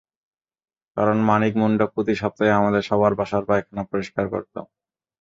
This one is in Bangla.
কারণ, মানিক মুণ্ডা প্রতি সপ্তাহে আমাদের সবার বাসার পায়খানা পরিষ্কার করত।